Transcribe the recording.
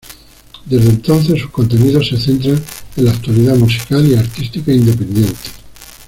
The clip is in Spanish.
Desde entonces sus contenidos se centran en la actualidad musical y artística independiente.